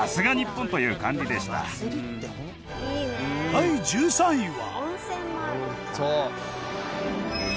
第１３位は。